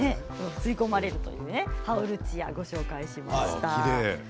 吸い込まれるハオルチアをご紹介しました。